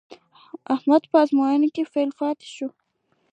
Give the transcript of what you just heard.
احمد په ازموینه کې فېل پاتې شو.